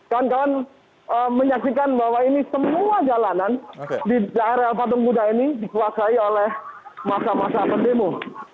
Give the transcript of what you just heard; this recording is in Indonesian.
kalian kalian menyaksikan bahwa ini semua jalanan di daerah patung budha ini disuasai oleh masyarakat pendemo